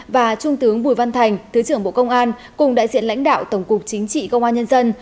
và trung tướng bùi văn thành thứ trưởng bộ công an cùng đại diện lãnh đạo tổng cục chính trị công an nhân dân